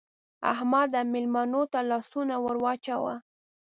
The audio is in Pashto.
احمده! مېلمنو ته لاسونه ور واچوه.